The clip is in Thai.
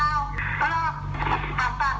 ไม่ให้มันหลุด